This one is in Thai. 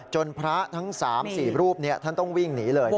จนพระทั้ง๓๔รูปต้องวิ่งหนีเลย